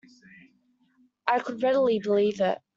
I could readily believe it.